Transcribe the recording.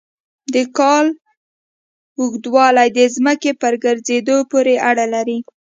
د کال اوږدوالی د ځمکې په ګرځېدو پورې اړه لري.